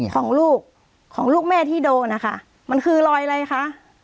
ของลูกของลูกแม่ที่โดนนะคะมันคือรอยอะไรคะ